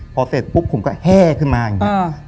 พอเสร็จปุ๊บผมก็แห้ขึ้นมาอย่างนี้